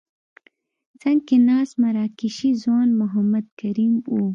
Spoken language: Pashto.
څنګ کې ناست مراکشي ځوان محمد کریم وو.